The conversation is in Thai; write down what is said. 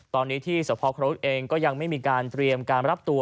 ตอนนี้ที่สภครุฑเองก็ยังไม่มีการเตรียมการรับตัว